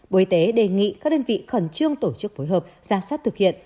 bộ y tế đề nghị các đơn vị khẩn trương tổ chức phối hợp gia sát thực hiện